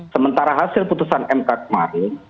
sementara hasil putusan mk kemarin